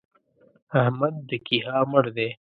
احمد د کيها مړ دی!